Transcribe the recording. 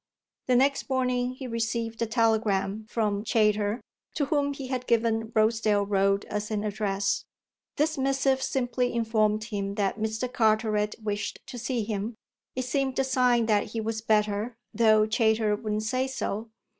The next morning he received a telegram from Chayter, to whom he had given Rosedale Road as an address. This missive simply informed him that Mr. Carteret wished to see him; it seemed a sign that he was better, though Chayter wouldn't say so.